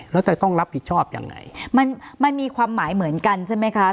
แล้วจะต้องรับผิดชอบยังไงมันมันมีความหมายเหมือนกันใช่ไหมคะ